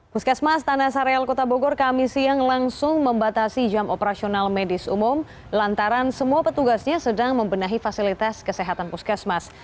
puskesmas tanah sareal kota bogor kami siang langsung membatasi jam operasional medis umum lantaran semua petugasnya sedang membenahi fasilitas kesehatan puskesmas